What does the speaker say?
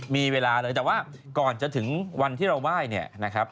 มีเวลาเลยแต่ว่าก่อนจะถึงวันที่เราไหว้เนี่ยนะครับ